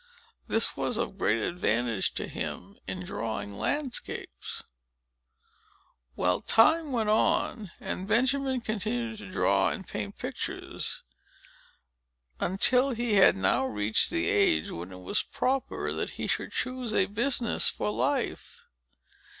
This was of great advantage to him in drawing landscapes. Well; time went on, and Benjamin continued to draw and paint pictures, until he had now reached the age when it was proper that he should choose a business for life.